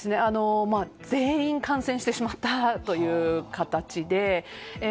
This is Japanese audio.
全員感染してしまったという形で。